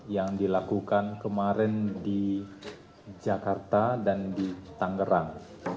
yang dilakukan kemarin di jakarta dan di tangerang